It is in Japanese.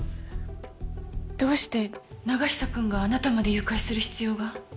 どうして永久くんがあなたまで誘拐する必要が？